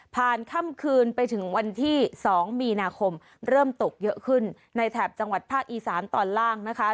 ค่ำคืนไปถึงวันที่๒มีนาคมเริ่มตกเยอะขึ้นในแถบจังหวัดภาคอีสานตอนล่างนะคะ